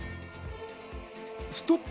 ストップ！